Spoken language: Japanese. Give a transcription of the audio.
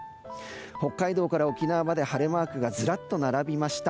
北海道から沖縄まで晴れマークがずらっと並びました。